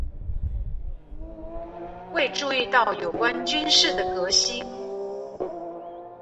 未注意到有關軍事的革新